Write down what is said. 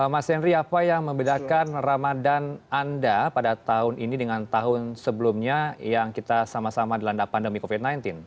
mas henry apa yang membedakan ramadan anda pada tahun ini dengan tahun sebelumnya yang kita sama sama dilanda pandemi covid sembilan belas